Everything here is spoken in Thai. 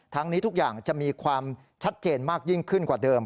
นี้ทุกอย่างจะมีความชัดเจนมากยิ่งขึ้นกว่าเดิม